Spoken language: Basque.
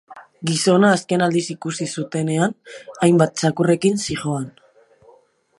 Gizona azken aldiz ikusi zutenean hainbat txakurrekin zihoan.